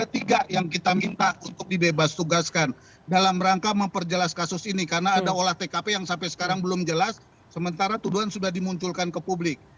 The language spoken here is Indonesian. ada tiga yang kita minta untuk dibebas tugaskan dalam rangka memperjelas kasus ini karena ada olah tkp yang sampai sekarang belum jelas sementara tuduhan sudah dimunculkan ke publik